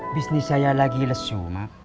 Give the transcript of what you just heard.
oh ini saya lagi lesu mak